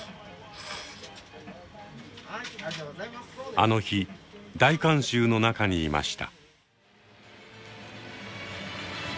あの日大観衆の中にいました。